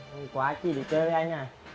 hôm qua chị đi chơi với anh à